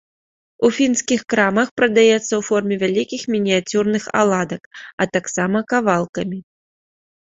У фінскіх крамах прадаецца ў форме вялікіх і мініяцюрных аладак, а таксама кавалкамі.